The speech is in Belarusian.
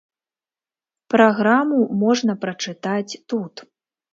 Праграму можна прачытаць тут.